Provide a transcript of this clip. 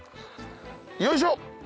よいしょ！